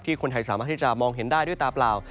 คนไทยสามารถที่จะมองเห็นได้ด้วยตาเปล่า